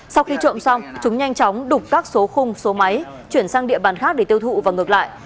sau khi trộm xong chúng nhanh chóng đục các số khung số máy chuyển sang địa bàn khác để tiêu thụ và ngược lại